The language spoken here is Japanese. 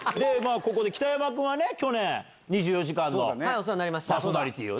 北山君は去年『２４時間』のパーソナリティーを。